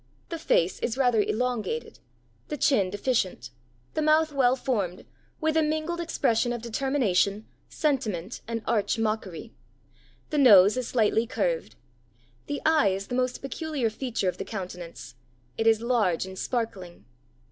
The face is rather elongated, the chin deficient, the mouth well formed, with a mingled expression of determination, sentiment, and arch mockery; the nose is slightly curved; the eye is the most peculiar feature of the countenance; it is large and sparkling.